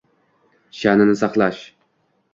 Shaʼnini saqlash